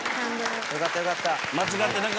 よかったよかった。